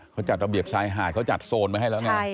เขาจัดระเบียบชายหาดเขาจัดโซนไว้ให้แล้วไง